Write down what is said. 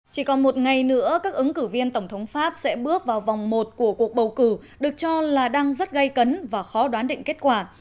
chỉ còn một ngày nữa các ứng cử viên tổng thống pháp sẽ bước vào vòng một của cuộc bầu cử được cho là đang rất gây cấn và khó đoán định kết quả